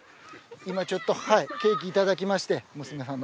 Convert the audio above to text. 今ちょっとケーキいただきまして娘さんの。